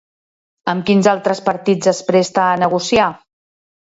Amb quins altres partits es presta a negociar?